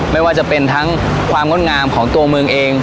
ไม่ว่าจะเป็นทั้งความงดงามของตัวเมืองเอง